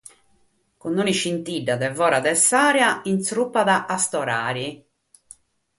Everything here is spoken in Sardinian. Cun un'ischìtzina dae foras de s'àrea intzegat a Storari.